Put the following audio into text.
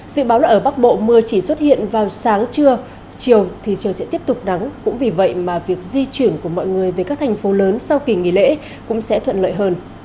dự báo là ở bắc bộ mưa chỉ xuất hiện vào sáng trưa chiều thì trời sẽ tiếp tục nắng cũng vì vậy mà việc di chuyển của mọi người về các thành phố lớn sau kỳ nghỉ lễ cũng sẽ thuận lợi hơn